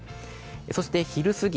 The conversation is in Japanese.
そして、昼過ぎ。